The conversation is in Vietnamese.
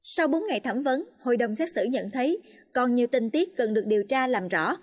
sau bốn ngày thẩm vấn hội đồng xét xử nhận thấy còn nhiều tình tiết cần được điều tra làm rõ